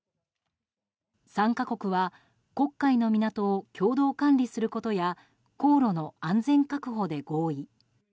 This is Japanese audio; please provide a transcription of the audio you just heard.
参加国は黒海の港を共同管理することや航路の安全確保で合意。